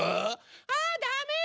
あダメよ